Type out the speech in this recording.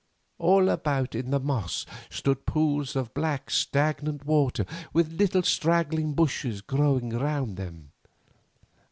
All about in the moss stood pools of black, stagnant water with little straggling bushes growing round them.